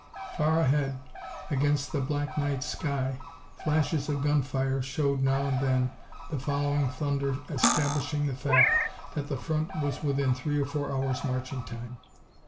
Far ahead, against the black night sky, flashes of gunfire showed now and then, the following thunder establishing the fact that the front was within three or four hours' marching time.